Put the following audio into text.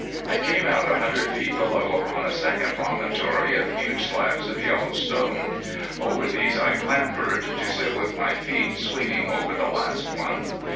I came out a hundred feet below upon a second promontory of huge slabs of yellow stone. Over these I clambered, to sit with my feet swinging over the last one.